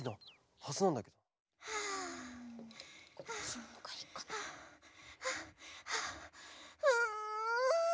はあはあん！